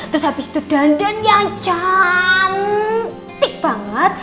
terus habis itu dandan yang cantik banget